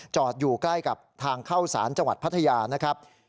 อยู่ใกล้กับทางเข้าสารจังหวัดพัทยานะครับ